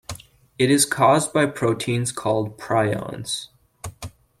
It is caused by proteins called prions.